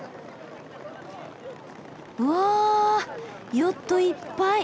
うわぁヨットいっぱい！